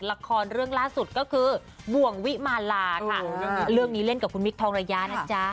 ละครเรื่องล่าสุดก็คือบ่วงวิมาลาค่ะเรื่องนี้เล่นกับคุณมิคทองระยะนะจ๊ะ